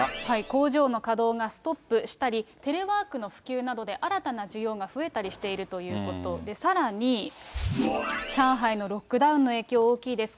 工場の稼働がストップしたり、テレワークの普及などで新たな需要が増えたりしているということで、さらに、上海のロックダウンの影響大きいです。